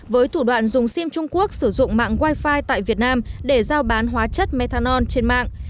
với thủ đoạn dùng sim trung quốc sử dụng mạng wifi tại việt nam để giao bán hóa chất methanol trên mạng